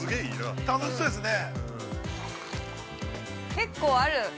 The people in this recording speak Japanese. ◆結構ある。